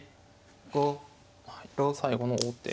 最後の王手。